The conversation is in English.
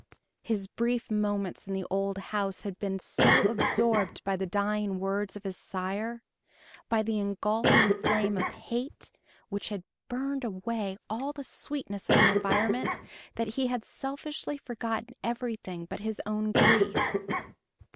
His brief moments in the old home had been so absorbed by the dying words of his sire, by the engulfing flame of hate which had burned away all the sweetness of the environment, that he had selfishly forgotten everything but his own grief.